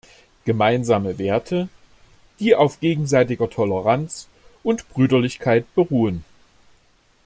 Gemeinsame Werte, die auf gegenseitiger Toleranz und Brüderlichkeit beruhen.